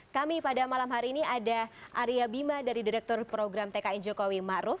kami pada malam hari ini ada arya bima dari direktur program tkn jokowi makruf